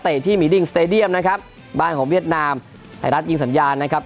ที่มีดิ้งสเตดียมนะครับบ้านของเวียดนามไทยรัฐยิงสัญญาณนะครับ